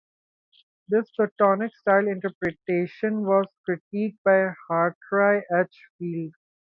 This Platonic-style interpretation was critiqued by Hartry H. Field.